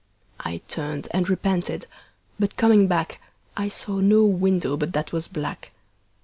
I turned and repented, but coming back I saw no window but that was black.